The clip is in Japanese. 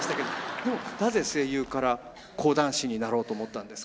でもなぜ声優から講談師になろうと思ったんですか。